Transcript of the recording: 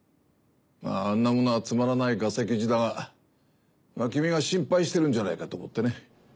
あんなものはつまらないガセ記事だが君が心配してるんじゃないかと思ってね。